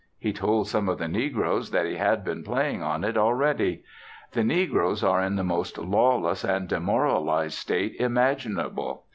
He told some of the negroes that he had been playing on it already. The negroes are in the most lawless and demoralized state imaginable.